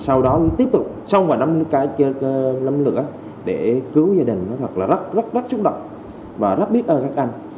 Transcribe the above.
sau đó tiếp tục xong và đâm cái lâm lửa để cứu gia đình nó thật là rất rất rất xúc động và rất biết ơn các anh